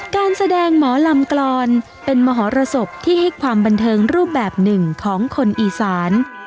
การแสดงหมอลำกรอนเป็นมหรสบที่ให้ความบันเทิงรูปแบบหนึ่งของคนอีสาน